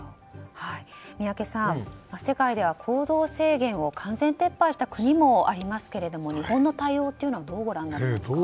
宮家さん、世界では行動制限を完全撤廃した国もありますけども日本の対応というのはどうご覧になりますか。